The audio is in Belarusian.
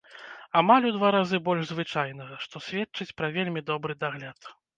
Амаль у два разы больш звычайнага, што сведчыць пра вельмі добры дагляд.